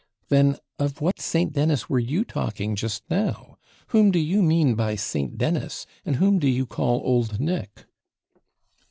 'Then of what St, Dennis were you talking just now? Whom do you mean by St. Dennis, and whom do you call old Nick?'